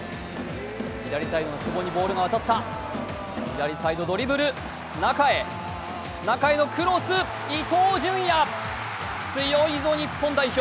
左サイドの久保にボールが渡った左サイド、ドリブル、中へ、中へのクロス、伊東純也、強いぞ日本代表。